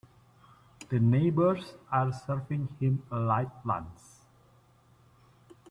The neighbors are serving him a light lunch.